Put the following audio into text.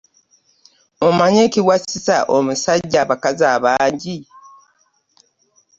Omanyi ekiwasisa omusajja abakazi abangi?